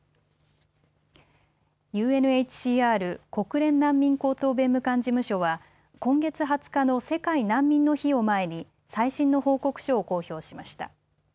ＵＮＨＣＲ・国連難民高等弁務官事務所は今月２０日の世界難民の日を前に最新の報告書を公表しました。